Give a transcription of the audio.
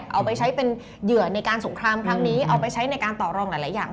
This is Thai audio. เอาไปใช้เป็นเหยื่อในการสงครามครั้งนี้เอาไปใช้ในการต่อรองหลายอย่าง